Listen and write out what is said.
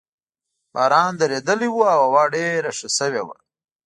باران درېدلی وو او هوا ډېره ښه شوې وه.